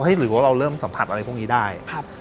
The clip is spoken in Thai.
หรือว่าเราเริ่มสัมผัสอะไรพวกนี้ได้